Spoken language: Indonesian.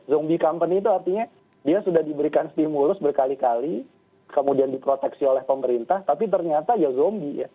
zombie company itu artinya dia sudah diberikan stimulus berkali kali kemudian diproteksi oleh pemerintah tapi ternyata ya zombie ya